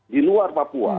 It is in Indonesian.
di luar papua